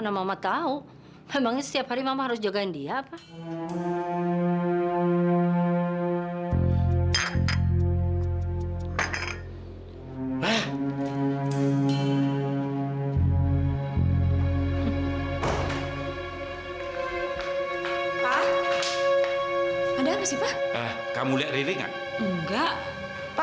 kamu dimana sekarang ari aku pengen ketemu sama kamu sekarang ya